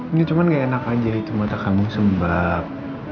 ini cuman gak enak aja itu mata kamu sebab